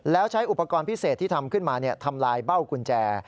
แล้วใช้อุปกรณ์พิเศษที่ทำขึ้นมาทำลายเบ้ากุญแจ